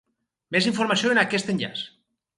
Més informació en aquest enllaç.